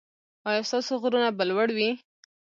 ایا ستاسو غرونه به لوړ وي؟